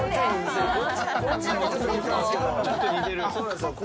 ちょっと似てる。